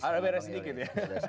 ada beda sedikit ya